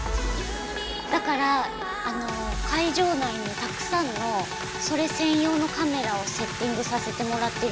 だから会場内にたくさんのそれ専用のカメラをセッティングさせてもらってるんですよ。